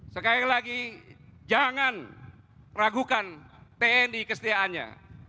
sekali lagi jangan ragukan tni kesetiaannya